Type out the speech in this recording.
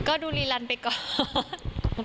ก็ดูรีลันไปก่อน